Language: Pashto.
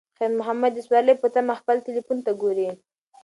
خیر محمد د سوارلۍ په تمه خپل تلیفون ته ګوري.